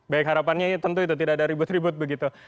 baik harapannya tentu itu tidak ada ribut ribut begitu